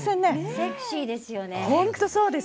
セクシーですよね。